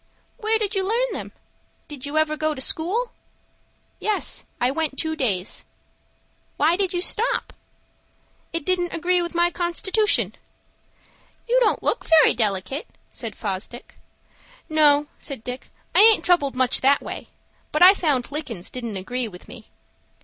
"Where did you learn them? Did you ever go to school?" "Yes; I went two days." "Why did you stop?" "It didn't agree with my constitution." "You don't look very delicate," said Fosdick. "No," said Dick, "I aint troubled much that way; but I found lickins didn't agree with me."